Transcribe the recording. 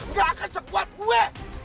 ga akan sekuat gue